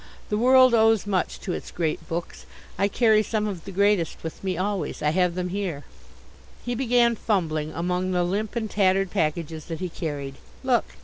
"The world owes much to its great books. I carry some of the greatest with me always. I have them here " He began fumbling among the limp and tattered packages that he carried. "Look!